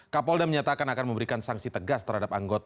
kapolda menyatakan akan memberikan sanksi tegas terhadap anggota